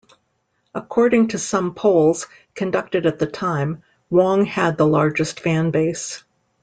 According to some polls conducted at the time, Wong had the largest fanbase.